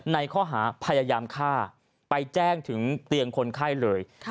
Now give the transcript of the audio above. ในข้อหาพยายามฆ่าไปแจ้งถึงเตียงคนไข้เลย